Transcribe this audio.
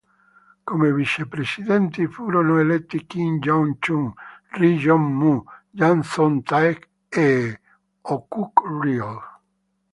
Come Vicepresidenti, furono eletti Kim Yong-Chun, Ri Yong-Mu, Jang Song-thaek e O Kuk-ryol.